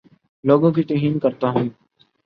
لوگوں کے توہین کرتا ہوں